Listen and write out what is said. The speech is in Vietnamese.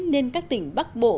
nên các tỉnh bắc bộ